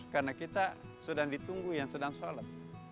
karena kita sedang ditunggu yang sedang sholat